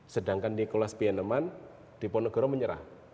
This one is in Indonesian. sedangkan nicholas pieneman diponegoro menyerah